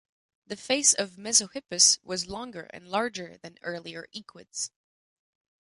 The face of "Mesohippus" was longer and larger than earlier equids.